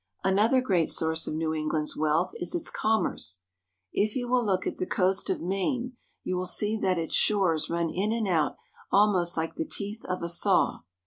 Another great source of New England's wealth is its commerce. If you will look at the coast of Maine you will see that its shores run in and out almost like the teeth of a saw.